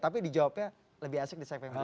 tapi dijawabnya lebih asik di side by side